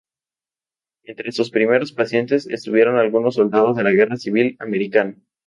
Entre sus primeros pacientes estuvieron algunos soldados de la Guerra Civil Americana.